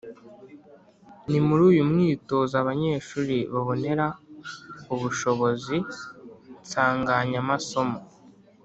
Ni muri uyu mwitozo abanyeshuri babonera ubushobozi nsanganyamasomo